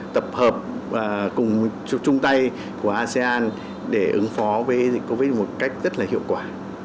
tập hợp cùng chung tay của asean để ứng phó với covid một mươi chín một cách rất là hiệu quả